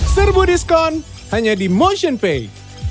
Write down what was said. serbu diskon hanya di motionpay